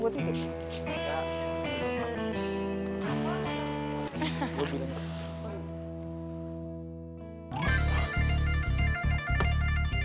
pijilak kain ya mah